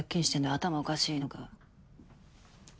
頭おかしいのか。